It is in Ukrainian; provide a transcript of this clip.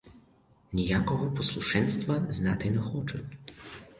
Ніякого послушенства знати не хочуть.